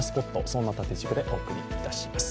そんな縦軸でお送りいたします。